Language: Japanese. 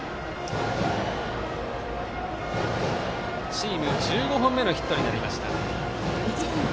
チーム１５本目のヒットになりました。